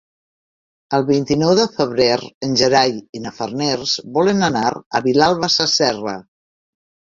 El vint-i-nou de febrer en Gerai i na Farners volen anar a Vilalba Sasserra.